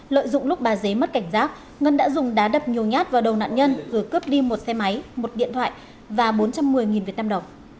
lợi dụng lúc bà dế mất cảnh giác ngân đã dùng đá đập nhiều nhát vào đầu nạn nhân rồi cướp đi một xe máy một điện thoại và bốn trăm một mươi viettel